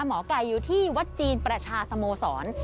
หมอไก่อยู่ที่วัดจีนประชาสโมสร